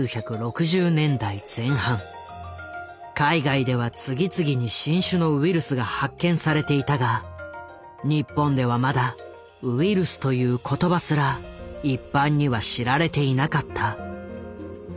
海外では次々に新種のウイルスが発見されていたが日本ではまだウイルスという言葉すら一般には知られていなかった。